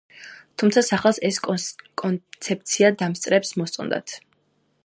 თუმცა სახელის ეს კონცეფცია დამსწრეებს მოსწონდათ.